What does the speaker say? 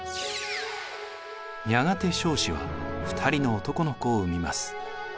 やがて彰子は２人の男の子を産みます。